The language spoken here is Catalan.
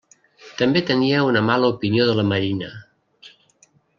També tenia una mala opinió de la Marina.